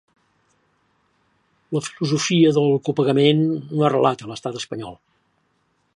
La filosofia del copagament no ha arrelat a l'Estat espanyol.